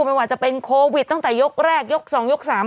ไม่ว่าจะเป็นโควิดตั้งแต่ยกแรกยก๒ยก๓